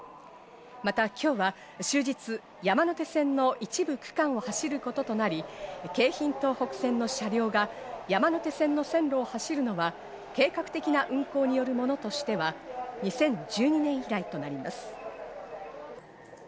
また今日は終日、山手線の一部区間を走ることとなり、京浜東北線の車両が山手線の線路を走るのは計画的な運行によるものとしては、２０１２年以来となります。